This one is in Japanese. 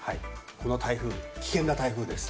この台風、危険な台風です。